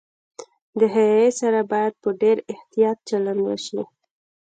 د هغې سره باید په ډېر احتياط چلند وشي